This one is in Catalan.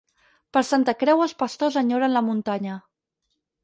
Per Santa Creu els pastors enyoren la muntanya.